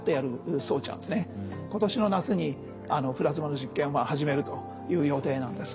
今年の夏にプラズマの実験を始めるという予定なんです。